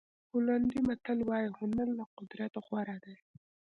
پولنډي متل وایي هنر له قدرت غوره دی.